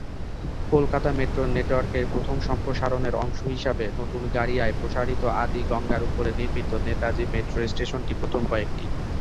কলকাতা মেট্রোর নেটওয়ার্কের প্রথম সম্প্রসারণের অংশ হিসাবে নতুন গারিয়ায় প্রসারিত আদি গঙ্গার উপরে নির্মিত নেতাজি মেট্রো স্টেশনটি প্রথম কয়েকটি।